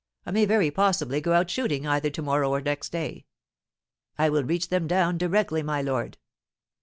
I may very possibly go out shooting either to morrow or next day." "I will reach them down directly, my lord."